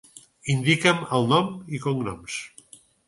Indica'm el nom i cognoms.